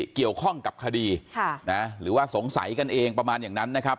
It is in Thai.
เกี่ยวข้องกับคดีหรือว่าสงสัยกันเองประมาณอย่างนั้นนะครับ